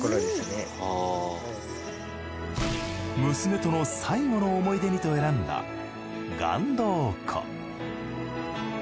娘との最期の思い出にと選んだ岩洞湖。